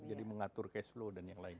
jadi mengatur cash flow dan yang lain